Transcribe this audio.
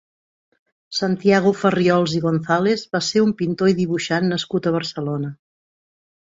Santiago Farriols i Gonzàlez va ser un pintor i dibuixant nascut a Barcelona.